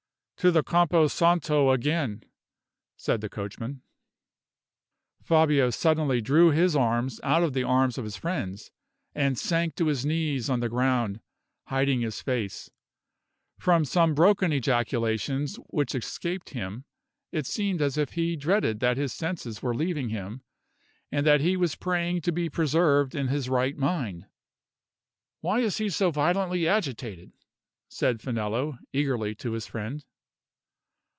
"To the Campo Santo again," said the coachman. Fabio suddenly drew his arms out of the arms of his friends, and sank to his knees on the ground, hiding his face. From some broken ejaculations which escaped him, it seemed as if he dreaded that his senses were leaving him, and that he was praying to be preserved in his right mind. "Why is he so violently agitated?" said Finello, eagerly, to his friend.